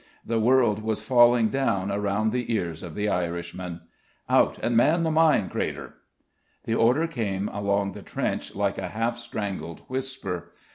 The world was falling down around the ears of the Irishman. "Out and man the mine crater!" The order came along the trench like a half strangled whisper.